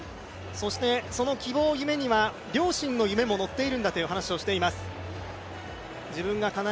そしてその希望を夢に両親の夢も乗っているんだという話をしています。